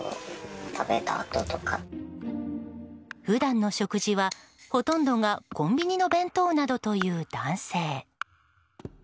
普段の食事は、ほとんどがコンビニの弁当などという男性。